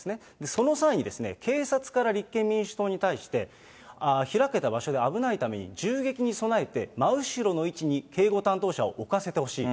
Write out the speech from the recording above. その際に、警察から立憲民主党に対して、開けた場所で危ないために銃撃に備えて、真後ろの位置に警護担当者を置かせてほしい。